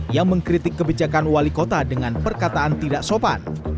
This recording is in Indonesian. yang mengkritik kebijakan wali kota dengan perkataan tidak sopan